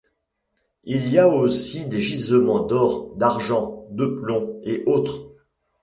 Il y a aussi des gisements d'or, d'argent, de plomb et autres.